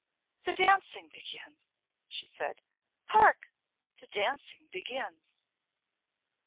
"The dancing begins," she said. "Hark! the dancing begins."